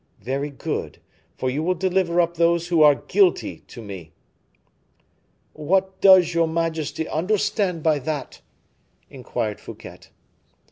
Very good, for you will deliver up those who are guilty to me." "What does your majesty understand by that?" inquired Fouquet.